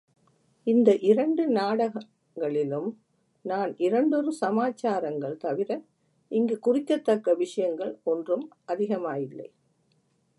இந்த இரண்டு நாடகங்களிலும் நான் இரண்டொரு சமாச்சாரங்கள் தவிர இங்குக் குறிக்கத்தக்க விஷயங்கள் ஒன்றும் அதிகமாயில்லை.